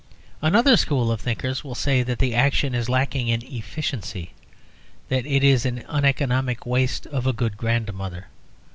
Another school of thinkers will say that the action is lacking in efficiency: that it is an uneconomic waste of a good grandmother.